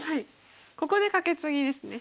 ここでカケツギですね。